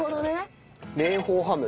明宝ハム。